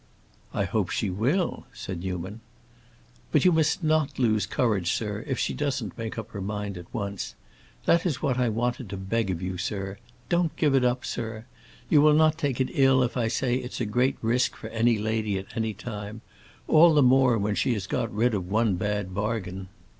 "I hope she will!" said Newman. "But you must not lose courage, sir, if she doesn't make up her mind at once. That is what I wanted to beg of you, sir. Don't give it up, sir. You will not take it ill if I say it's a great risk for any lady at any time; all the more when she has got rid of one bad bargain.